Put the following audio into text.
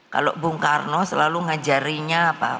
kalau bung karno selalu mengajarinya apa